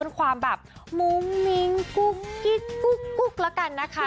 เป็นความแบบมุ้งมิ้งกุ๊กกิ๊กกุ๊กแล้วกันนะคะ